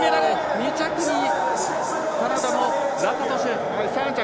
２着にカナダのラカトシュ。